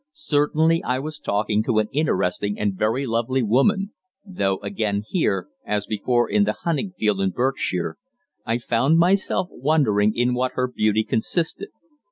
Certainly I was talking to an interesting and very lovely woman though again here, as before in the hunting field in Berkshire, I found myself wondering in what her beauty consisted.